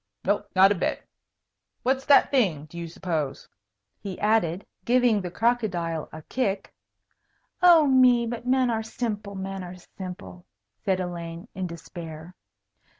"No, not a bit. What's that thing, do you suppose?" he added, giving the crocodile a kick. "Oh, me, but men are simple, men are simple!" said Elaine, in despair.